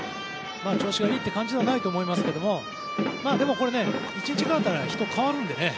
調子はいいという感じではないと思いますけどでも、１日変わったら人は変わるのでね。